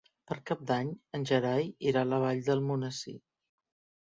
Per Cap d'Any en Gerai irà a la Vall d'Almonesir.